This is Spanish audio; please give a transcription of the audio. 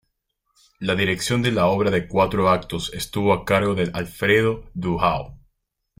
La dirección de la obra de cuatro actos estuvo a cargo de Alfredo Duhau.